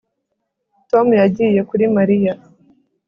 Tom yagiye kuri Mariya